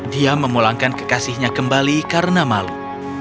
dia memulangkan kekasihnya kembali karena malu